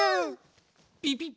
ピピッ！